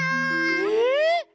えっ！